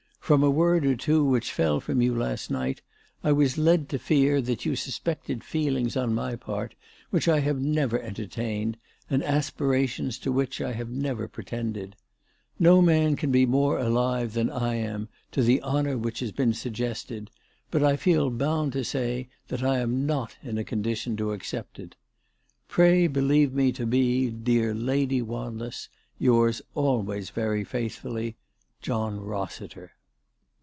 From a word or two which fell from you last night I was led to fear that you sus pected feelings on my part which I have never enter tained, and aspirations to which I have never pretended. ^o man can be more alive than I am to the honour which has been suggested, but I feel bound to say that I am not in a condition to accept it. " Pray believe me to be, " Dear Lady Wanless, " Yours* always very faithfully, " JOHN ROSSITER."